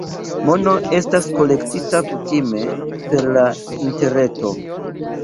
Mono estas kolektita kutime per la Interreto.